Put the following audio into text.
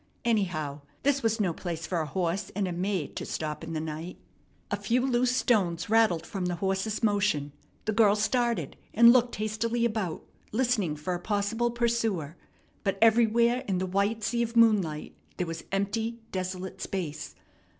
Anyhow, this was no place for a horse and a maid to stop in the night. A few loose stones rattled from the horse's motion. The girl started, and looked hastily about, listening for a possible pursuer; but everywhere in the white sea of moonlight there was empty, desolate space.